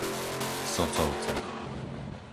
Socovce